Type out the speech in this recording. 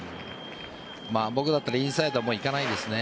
僕だったらインサイドはもういかないですね。